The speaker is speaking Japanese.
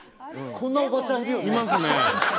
こんなおばちゃんいない？